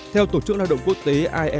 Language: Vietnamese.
theo tổ chức lao động quốc tế